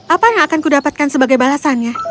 apa yang akan kudapatkan sebagai balasannya